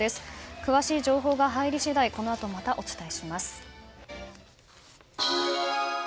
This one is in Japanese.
詳しい情報が入り次第このあとまたお伝えします。